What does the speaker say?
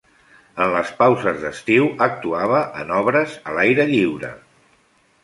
En les pauses d'estiu actuava en obres a l'aire lliure.